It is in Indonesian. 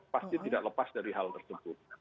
pasti tidak lepas dari hal tersebut